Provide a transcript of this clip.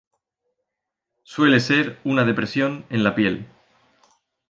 Suele ser una depresión en la piel.